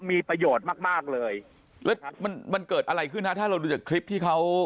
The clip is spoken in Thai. มีประโยชน์มากมากเลยแล้วมันมันเกิดอะไรขึ้นฮะถ้าเราดูจากคลิปที่เขา